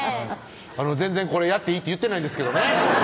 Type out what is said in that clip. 全然「これやっていい」って言ってないんですけどね